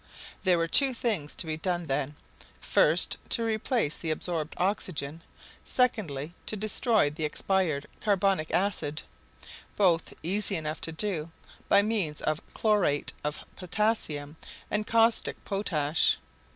There were two things to be done then—first, to replace the absorbed oxygen; secondly, to destroy the expired carbonic acid; both easy enough to do, by means of chlorate of potassium and caustic potash.